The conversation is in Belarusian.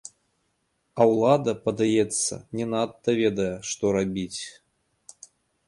А ўлада, падаецца, не надта ведае, што рабіць.